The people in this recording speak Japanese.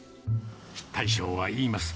大将は言います。